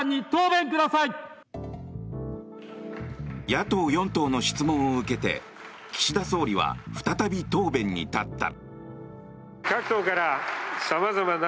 野党４党の質問を受けて岸田総理は再び答弁に立った。